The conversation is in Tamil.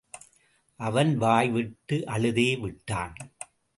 அவன் வாய்விட்டு அழுதே விட்டான்.